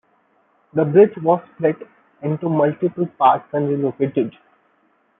The bridge was split into multiple parts and relocated.